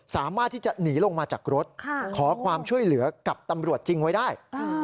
สามารถที่จะหนีลงมาจากรถขอความช่วยเหลือกับตำรวจจริงไว้ได้